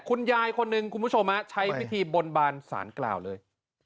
คุณยายคนหนึ่งคุณผู้ชมใช้วิธีบนบานสารกล่าวเลย